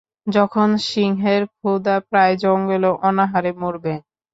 যখন সিংহের ক্ষুধা পায় জঙ্গলও অনাহারে মরবে।